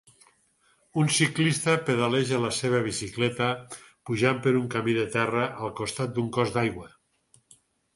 Un ciclista pedaleja la seva bicicleta pujant per un camí de terra al costat d'un cos d'aigua.